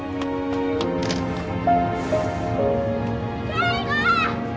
圭吾！